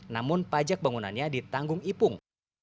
namun pajak bangunannya ditanggung ipung